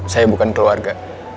saya bukan keluarga